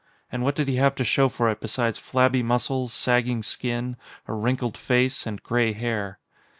And what did he have to show for it besides flabby muscles, sagging skin, a wrinkled face, and gray hair?